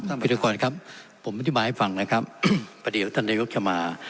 พิธกรครับผมอธิบายให้ฟังนะครับเพราะเดี๋ยวท่านนายกจะมา